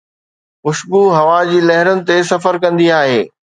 خوشبو هوا جي لهرن تي سفر ڪندي آهي.